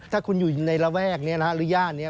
ถ้าคุณอยู่ในระแวกหรือในย่านนี้